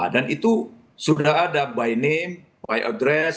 dan itu sudah ada by name by address